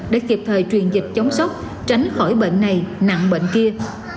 để kịp thời truyền dịch chống sốc tránh khỏi bệnh này nặng bệnh kia